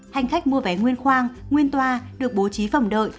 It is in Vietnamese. hành khách mua vé nguyên khoang nguyên toa được bố trí phòng đợi